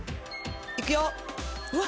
いくようわ